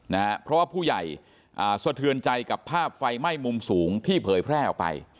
เพราะว่าผู้ใหญ่สะเทือนใจกับภาพไฟไหม้มุมสูงที่เผยแพร่ออกไป